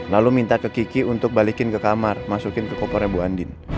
lalu minta ke kiki untuk balikin ke kamar masukin ke kopernya bu andin